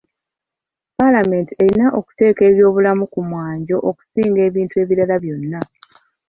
Paalamenti erina okuteeka eby'obulamu ku mwanjo okusinga ebintu ebirala byonna.